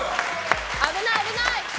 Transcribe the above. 危ない、危ない。